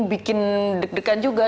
bikin deg degan juga